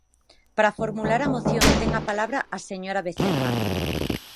Para formular a moción ten a palabra a señora Vecerra.